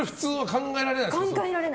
考えられないです。